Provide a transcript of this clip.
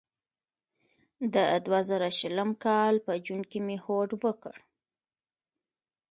د دوه زره شلم کال په جون کې مې هوډ وکړ.